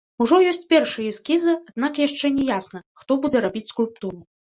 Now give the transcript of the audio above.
Ужо ёсць першыя эскізы, аднак яшчэ не ясна, хто будзе рабіць скульптуру.